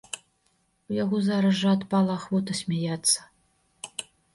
У яго зараз жа адпала ахвота смяяцца.